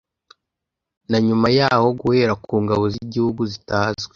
na nyuma yaho, guhera ku ngabo z'igihugu zitazwi